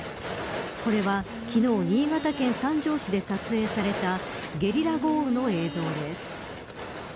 これは昨日、新潟県三条市で撮影されたゲリラ豪雨の映像です。